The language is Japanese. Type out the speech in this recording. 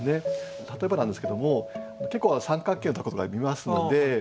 例えばなんですけども結構三角形の凧とか見ますので。